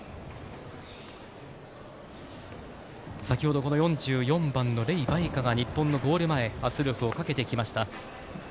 先ほど４４番のレイバイカ、日本のゴール前、圧力をかけてきました。